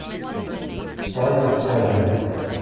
Life is pain.